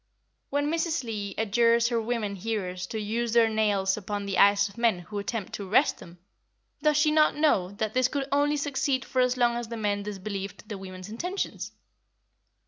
When Mrs. Leigh adjures her women hearers to use their nails upon the eyes of men who attempt to arrest them, does she not know that this could only succeed for as long as the men disbelieved the women's intentions?